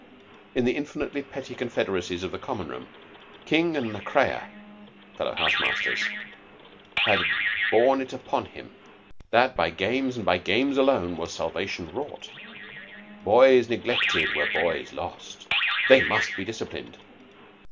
In the infinitely petty confederacies of the Common room, King and Macrea, fellow house masters, had borne it in upon him that by games, and games alone, was salvation wrought. Boys neglected were boys lost. They must be disciplined.